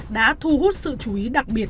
đã thu hút sự chú ý đặc biệt